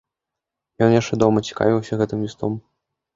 Ён яшчэ дома цікавіўся гэтым лістом.